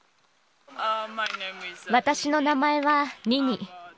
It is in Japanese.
私の名前はニニ。